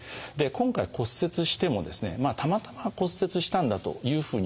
今回骨折してもですねたまたま骨折したんだというふうに思ってですね